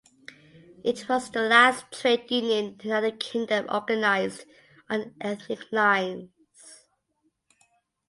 It was the last trade union in the United Kingdom organised on ethnic lines.